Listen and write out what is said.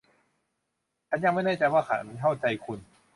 ฉันยังไม่แน่ใจว่าฉันเข้าใจคุณ